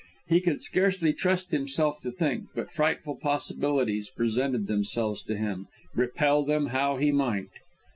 He could scarcely trust himself to think, but frightful possibilities presented themselves to him, repel them how he might.